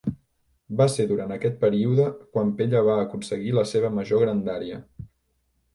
Va ser durant aquest període quan Pella va aconseguir la seva major grandària.